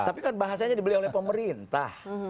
tapi kan bahasanya dibeli oleh pemerintah